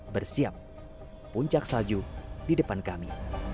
bersiap puncak salju di depan kami